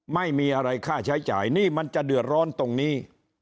ไม่มีอะไรค่าใช้จ่ายนี่มันจะเดือดร้อนตรงนี้